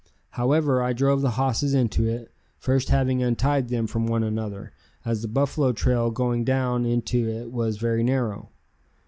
However, I drove the hosses into it, first having untied them from one another, as the buffalo trail going down into it was very narrow.